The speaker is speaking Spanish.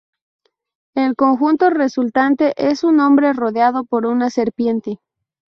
El conjunto resultante es un hombre rodeado por una serpiente.